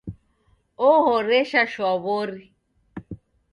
O'horesha shwa wori